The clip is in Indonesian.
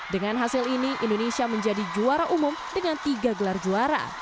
dengan hasil ini indonesia menjadi juara umum dengan tiga gelar juara